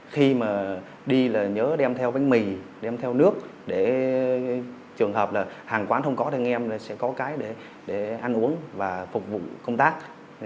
khi mà đi là nhớ đem theo bánh mì đem theo nước để trường hợp là hàng quán không có thì anh em sẽ có cái để ăn uống và phục vụ công tác